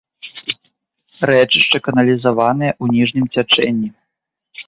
Рэчышча каналізаванае ў ніжнім цячэнні.